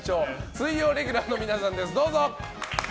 水曜レギュラーの皆さんです！